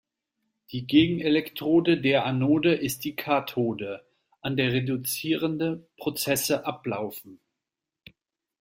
Die Gegenelektrode der Anode ist die Kathode, an der reduzierende Prozesse ablaufen.